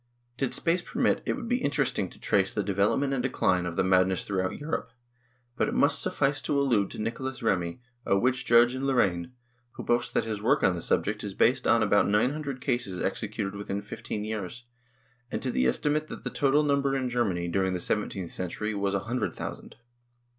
Did space permit, it would be interesting to trace the development and decline of the madness throughout Europe, but it must suffice to allude to Nicholas Remy, a witch judge in Lor raine, who boasts that his work on the subject is based on about nine hundred cases executed within fifteen years,^ and to the esti mate that the total number in Germany, during the seventeenth century, was a hundred thousand.